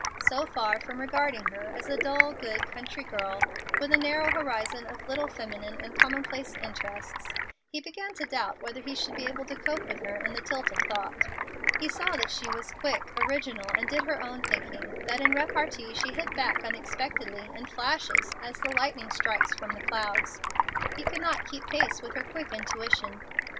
So far from regarding her as a dull, good, country girl with a narrow horizon of little feminine and commonplace interests, he began to doubt whether he should be able to cope with her in the tilt of thought. He saw that she was quick, original, and did her own thinking, that in repartee she hit back unexpectedly, in flashes, as the lightning strikes from the clouds. He could not keep pace with her quick intuition.